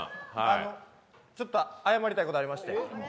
ちょっと謝りたいことがありまして。